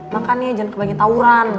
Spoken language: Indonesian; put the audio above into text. makanya jangan kebagi tawuran